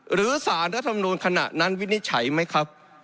หรือสารรัฐมนูลขณะนั้นวินิจฉัยไหมครับ